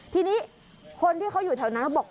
ทีนี้คนที่เขาอยู่แถวนั้นเขาบอก